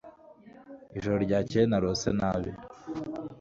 Ijoro ryakeye narose nabi